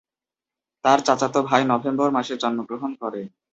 তার চাচাতো ভাই নভেম্বর মাসে জন্মগ্রহণ করে।